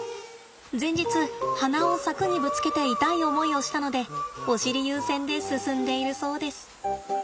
前日鼻を柵にぶつけて痛い思いをしたのでお尻優先で進んでいるそうです。